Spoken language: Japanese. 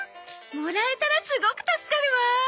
もらえたらすごく助かるわ。